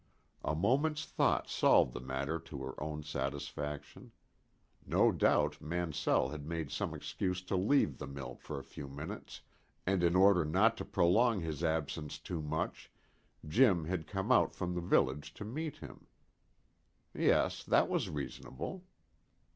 A moment's thought solved the matter to her own satisfaction. No doubt Mansell had made some excuse to leave the mill for a few minutes, and in order not to prolong his absence too much, Jim had come out from the village to meet him. Yes, that was reasonable.